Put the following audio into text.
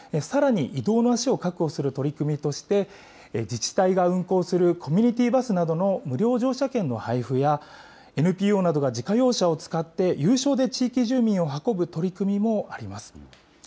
さらに移動の足を確保する取り組みとして、自治体が運行するコミュニティーバスなどの無料乗車券の配布や、ＮＰＯなどが自家用車を使って、有償で地域住民を運ぶ取り組みもあります。